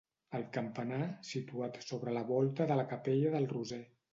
El campanar, situat sobre la volta de la capella del Roser.